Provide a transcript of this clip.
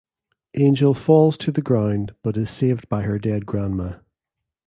Angel falls to the ground but is saved by her dead grandma.